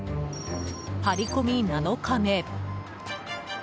張り込み７日目。